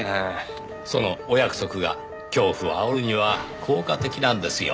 そのお約束が恐怖を煽るには効果的なんですよ。